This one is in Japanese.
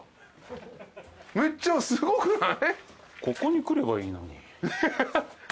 ここに来ればいいのに。